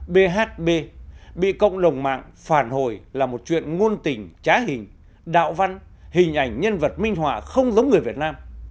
b h b bị cộng đồng mạng phản hồi là một chuyện nguồn tình trá hình đạo văn hình ảnh nhân vật minh họa không giống người việt nam